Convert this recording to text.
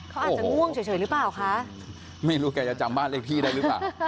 เขาอาจจะง่วงเฉยหรือเปล่าคะไม่รู้แกจะจำบ้านเลขที่ได้หรือเปล่า